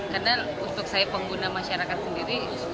karena untuk saya pengguna masyarakat sendiri